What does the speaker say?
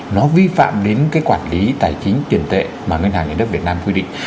nó vi phạm đến cái quản lý tài chính tiền tệ mà ngân hàng nhà nước việt nam quy định